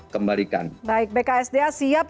kembalikan baik bksda siap